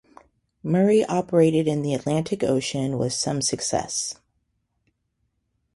Murray operated in the Atlantic Ocean with some success.